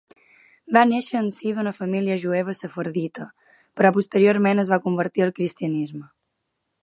Va néixer en si d'una família jueva sefardita, però posteriorment es va convertir al cristianisme.